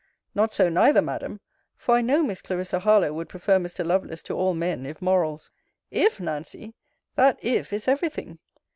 Not so, neither, Madam: for I know Miss Clarissa Harlowe would prefer Mr. Lovelace to all men, if morals IF, Nancy! That if is every thing.